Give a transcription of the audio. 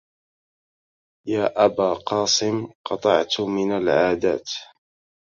يا أبا قاسم قطعت من العادات